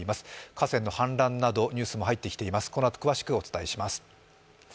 河川の氾濫など、ニュースも入ってきています。